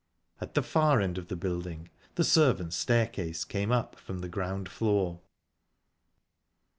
At the far end of the building the servants' staircase came up from the ground floor.